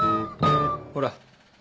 ほら。